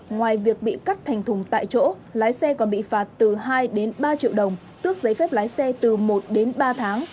ngoài việc bị cắt thành thùng tại chỗ lái xe còn bị phạt từ hai đến ba triệu đồng tước giấy phép lái xe từ một đến ba tháng